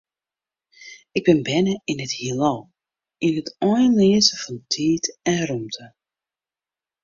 Ik bin berne yn it Hielal, yn it einleaze fan tiid en rûmte.